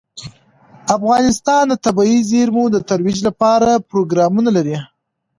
افغانستان د طبیعي زیرمې د ترویج لپاره پروګرامونه لري.